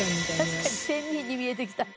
確かに仙人に見えてきた。